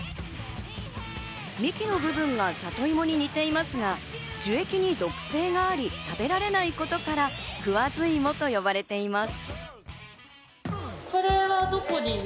幹の部分がサトイモに似ていますが、樹液に毒性があり、食べられないことからクワズイモと呼ばれています。